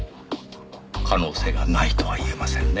可能性がないとは言えませんね。